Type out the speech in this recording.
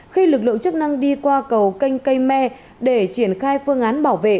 khi lực lượng chức năng đi qua cầu canh cây me để triển khai phương án bảo vệ